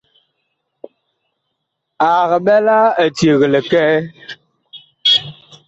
Ag ɓɛ la eceg likɛɛ.